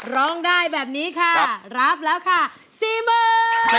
ร้องได้แบบนี้ค่ะรับแล้วค่ะ๔๐๐๐บาท